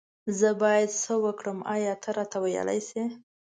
زه بايد سه وکړم آيا ته راته ويلي شي